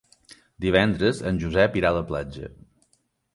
Divendres en Josep irà a la platja.